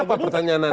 apa pertanyaan nana